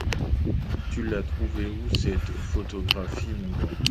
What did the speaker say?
Tu l’as trouvée où, cette photographie, mon grand ?